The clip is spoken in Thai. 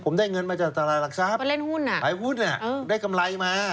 ผมได้เงินมาจากตลาดหลักทรัพย์ไปหุ้นน่ะได้กำไรมา